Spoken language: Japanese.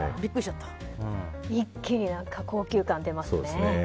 一気に高級感が出ますね。